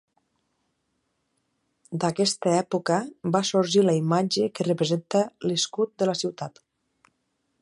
D'aquesta època va sorgir la imatge que representa l'escut de la ciutat.